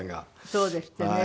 そうですってね。